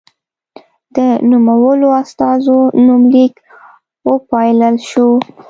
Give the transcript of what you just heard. د نومولو استازو نومليک وپايلل شو.